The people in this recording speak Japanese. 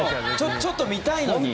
ちょっと見たいのに。